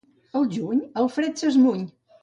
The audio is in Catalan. Al juny, el fred s'esmuny.